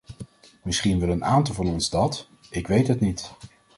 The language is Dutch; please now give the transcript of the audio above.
Misschien wil een aantal van ons dat, ik weet het niet.